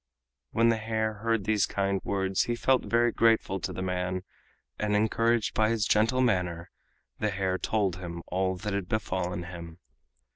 When the hare heard these kind words he felt very grateful to the man, and encouraged by his gentle manner the hare told him all that had befallen him.